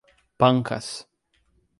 Pancas